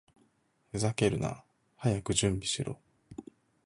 ふざけるな！早く準備しろ！